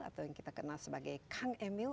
atau yang kita kenal sebagai kang emil